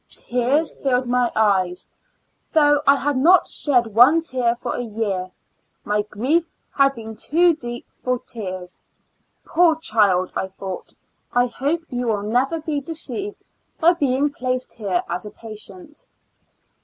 ^^ Tears filled my eyes, though I had not shed one tear for a j^ear; my grief had been too deep for tears. " Poor child," thought I, "I hope you will never be imdeceived by being placed here as a patient."